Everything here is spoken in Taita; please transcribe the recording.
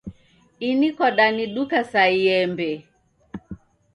Ini kwadaniduka sa iembe